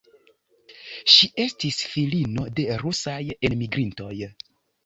Ŝi estis filino de rusaj enmigrintoj.